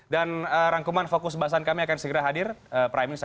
dan rangkuman fokus bahasa indonesia